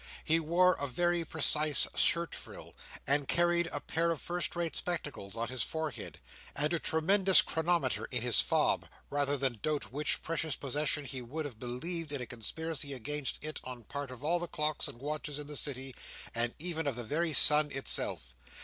He wore a very precise shirt frill, and carried a pair of first rate spectacles on his forehead, and a tremendous chronometer in his fob, rather than doubt which precious possession, he would have believed in a conspiracy against it on part of all the clocks and watches in the City, and even of the very Sun itself.